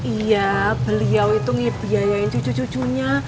iya beliau itu ngebiayain cucu cucunya